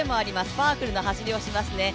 パワフルな走りをしますね。